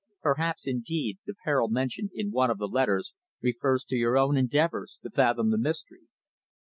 Perhaps, indeed, the peril mentioned in one of the letters refers to your own endeavours to fathom the mystery."